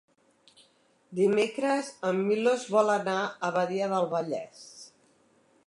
Dimecres en Milos vol anar a Badia del Vallès.